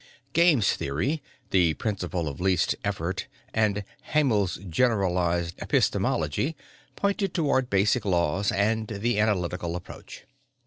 Games theory, the principle of least effort and Haeml's generalized epistemology pointed toward basic laws and the analytical approach.